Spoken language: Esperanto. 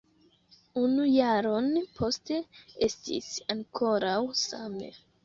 Unu jaron poste, estis ankoraŭ same.